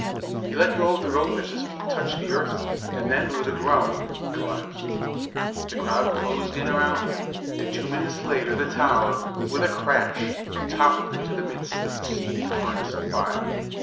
He let go the rope as his feet touched the earth and then with a groan he collapsed. The crowd closed in around him, and two minutes later the tower, with a crash, toppled into the midst of the seething furnace of fire.